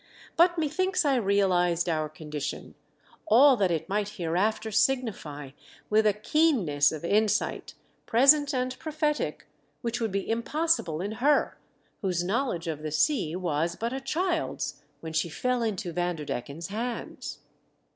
But methinks I realised our condition — all that it might hereafter signify — with a keenness of insight, present and prophetic, which would be impossible in her> v/hosc knowledge of the sea v/as but a THE GALE BREAKS. 21 3 child's when she fell into Vanderdecken's hands.